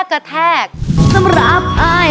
ลุกทุ่งตอบอินดี